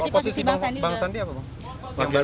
posisi bang sandi apa